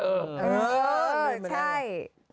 เออใช่